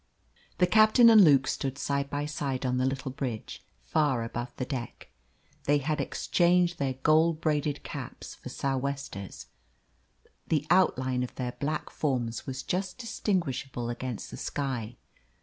The captain and Luke stood side by side on the little bridge, far above the deck. They had exchanged their gold braided caps for sou'westers. The outline of their black forms was just distinguishable against the sky.